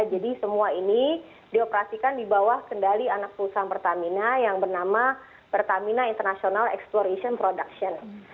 jadi semua ini dioperasikan di bawah kendali anak perusahaan pertamina yang bernama pertamina international exploration production